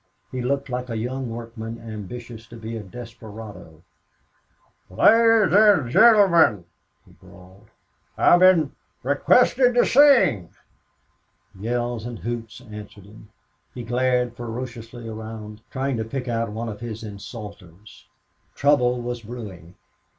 He looked like a young workman ambitious to be a desperado. "Ladies an' gennelmen," he bawled, "I been requested t' sing." Yells and hoots answered him. He glared ferociously around, trying to pick out one of his insulters. Trouble was brewing.